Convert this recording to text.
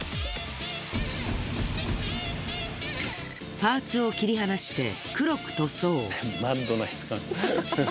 パーツを切り離して黒く塗装。